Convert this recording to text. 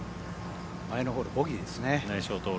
前のホールボギーですね。